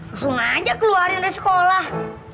langsung aja keluarin dari sekolah